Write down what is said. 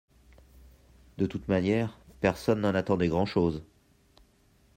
De toute manière, personne n’en attendait grand-chose.